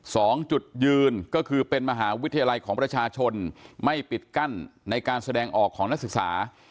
สองจุดยืนก็คือเป็นมหาวิทยาลัยของประชาชนไม่ปิดกั้นในการแสดงออกของนักศึกษา